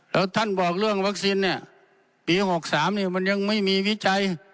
แล้วท่านบอกเรื่องวัคซีนเนี่ยปี๖๓มันยังไม่มีวิจัย